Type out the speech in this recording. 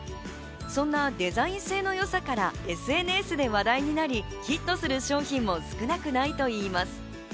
そんなデザイン性のよさからＳＮＳで話題になり、ヒットする商品も少なくないといいます。